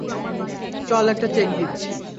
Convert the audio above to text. চল একটা চেক দিচ্ছি।